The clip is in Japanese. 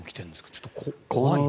ちょっと怖いな。